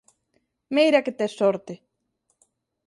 Mira que tes sorte.